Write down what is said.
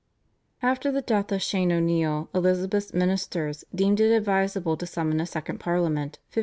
After the death of Shane O'Neill Elizabeth's ministers deemed it advisable to summon a second Parliament (1569).